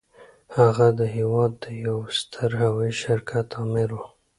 هغه د هېواد د يوه ستر هوايي شرکت آمر و.